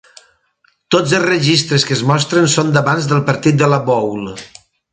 Tots els registres que es mostren són d'abans del partit de la "bowl".